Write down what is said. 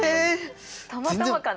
たまたまかな？